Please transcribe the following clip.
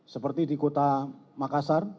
seperti di kota makassar